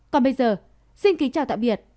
còn bây giờ xin kính chào tạm biệt và hẹn gặp lại